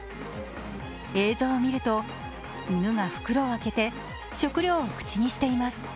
映像を見ると、犬が袋を開けて食料を口にしています。